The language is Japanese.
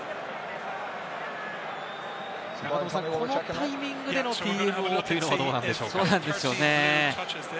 このタイミングでのＴＭＯというのはどうなんでしょうか？